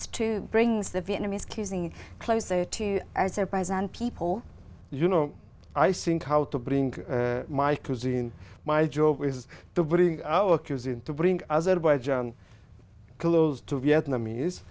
tôi là người đầu tiên trưởng của azerbaijan đến việt nam